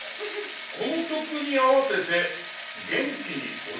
「このきょくにあわせてげんきにおどれ」？